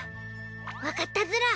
わかったズラ。